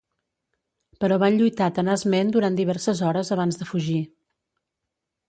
Però van lluitar tenaçment durant diverses hores abans de fugir.